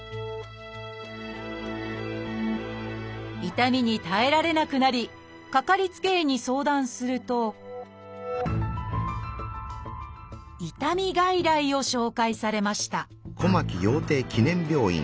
痛みに耐えられなくなりかかりつけ医に相談すると「痛み外来」を紹介されました